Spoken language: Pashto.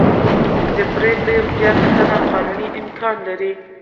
د پرېکړې بیاکتنه قانوني امکان لري.